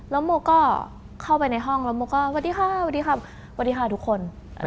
แล้วโมก็เข้าไปในห้องแล้วโมก็วัดีค่ะวัดีค่ะทุกคน